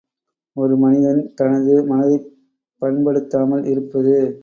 ◯ ஒரு மனிதன் தனது மனதைப் பண்படுத்தாமல் இருப்பது.